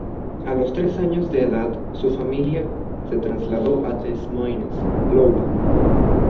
A los tres años de edad, su familia se trasladó a Des Moines, Iowa.